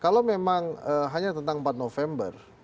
kalau memang hanya tentang empat november